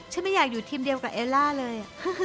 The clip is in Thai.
ไม่อยากอยู่ทีมเดียวกับเอลล่าเลย